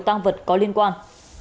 tăng vật có liên quan